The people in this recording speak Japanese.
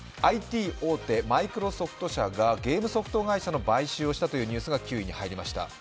ＩＴ大手、マイクロソフト社がゲームソフト会社の買収をしたという話題が９位に入りました。